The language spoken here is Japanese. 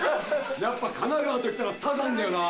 やっぱ神奈川といったらサザンだよな。